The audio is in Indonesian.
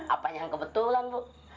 apa yang kebetulan bu